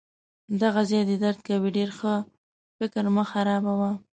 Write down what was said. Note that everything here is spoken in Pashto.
دغه ځای دي درد کوي؟ ډیر ښه! فکر مه خرابوه.